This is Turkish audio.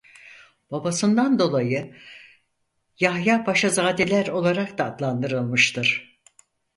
Babasından dolayı Yahyapaşazadeler olarak da adlandırılmıştır.